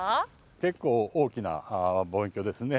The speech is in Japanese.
結構大きな望遠鏡ですね。